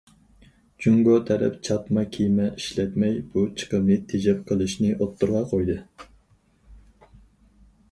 جۇڭگو تەرەپ چاتما كېمە ئىشلەتمەي بۇ چىقىمنى تېجەپ قېلىشنى ئوتتۇرىغا قويدى.